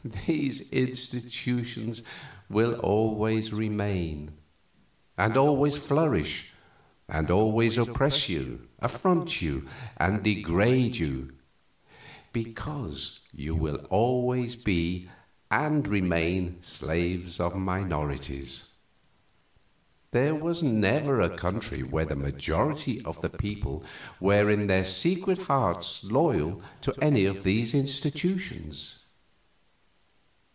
These institutions will always remain, and always flourish, and always oppress you, affront you, and degrade you, because you will always be and remain slaves of minorities. There was never a country where the majority of the people were in their secret hearts loyal to any of these institutions."